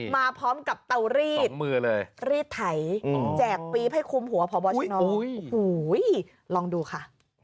มาพร้อมกับเตารีดรีดไถแจกปี๊บให้คุมหัวพบชนโอ้โหลองดูค่ะ